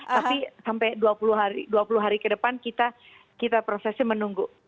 tapi sampai dua puluh hari ke depan kita prosesnya menunggu